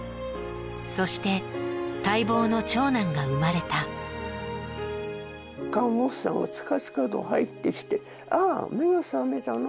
そして待望の長男が生まれた看護婦さんがつかつかと入ってきてああ目が覚めたの？